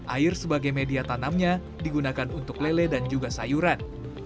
air sebagai media tanamnya digunakan untuk lele dan juga sayuran